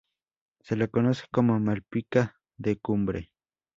Se la conoce como "malpica de cumbre".